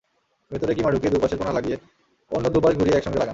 ভেতরে কিমা ঢুকিয়ে দুপাশের কোনা লাগিয়ে অন্য দুপাশ ঘুরিয়ে একসঙ্গে লাগান।